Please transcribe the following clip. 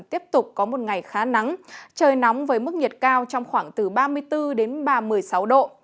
tiếp tục có một ngày khá nắng trời nóng với mức nhiệt cao trong khoảng từ ba mươi bốn đến ba mươi sáu độ